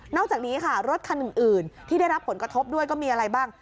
อกจากนี้ค่ะรถคันอื่นที่ได้รับผลกระทบด้วยก็มีอะไรบ้าง